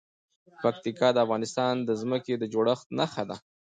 پکتیکا د افغانستان د ځمکې د جوړښت نښه ده.